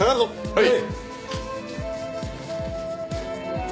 はい！